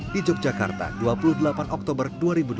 di yogyakarta dua puluh delapan oktober dua ribu delapan belas lalu